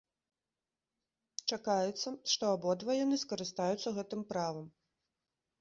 Чакаецца, што абодва яны скарыстаюцца гэтым правам.